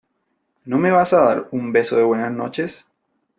¿ no me vas a dar un beso de buenas noches ?